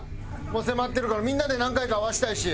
もう迫ってるからみんなで何回か合わせたいし。